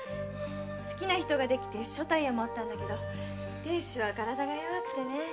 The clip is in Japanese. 好きな人ができて所帯を持ったんだけど亭主は身体が弱くてね。